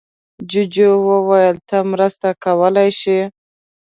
جوجو وویل ته مرسته کولی شې.